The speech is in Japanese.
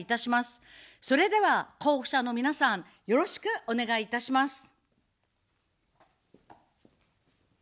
それでは、候補者の皆さん、よろしくお願いいたします。